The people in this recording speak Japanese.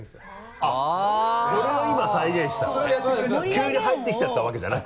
急に入ってきちゃった訳じゃなく。